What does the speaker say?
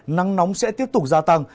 nắng nóng sẽ tiếp tục gia tăng